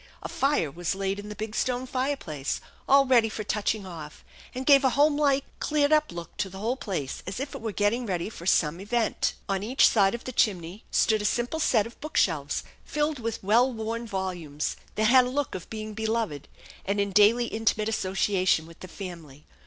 A fire was laid in the big stone fire place, all ready for touching off, and gave a homelike, cleared up look to the whole place as if it were getting ready for somn event. On each side of the chimney stood a simple set of book* 108 THE ENCHANTED BARN shelves filled with well worn volumes that had a look of being beloved and in daily intimate association with the family.